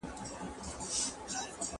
¬ فکر مه کوه، چي دا وړۍ دي شړۍ سي.